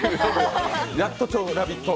やっと「ラヴィット！」